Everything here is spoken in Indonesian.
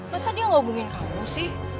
masa dia gak hubungin kamu sih